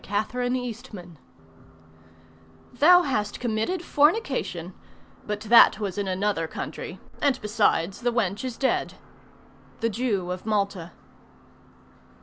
Portrait of a Lady Thou hast committed Fornication: but that was in another country And besides, the wench is dead. The Jew of Malta.